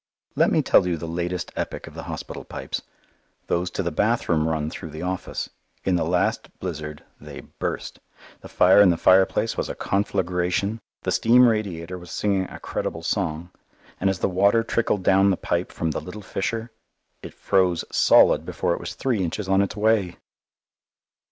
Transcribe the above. Let me tell you the latest epic of the hospital pipes. Those to the bathroom run through the office. In the last blizzard they burst. The fire in the fireplace was a conflagration; the steam radiator was singing a credible song; and as the water trickled down the pipe from the little fissure, it froze solid before it was three inches on its way!